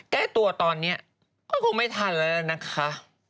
แก้ตัวตอนนี้ก็คงไม่ทันแล้วนะคะ